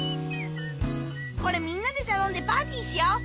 これみんなで頼んでパーティーしよう！